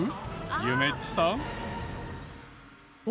ゆめっちさん。